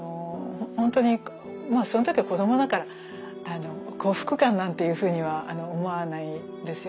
ほんとにまあその時は子供だから幸福感なんていうふうには思わないですよ。